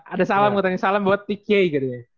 ada salam gue tanya salam buat tk gitu ya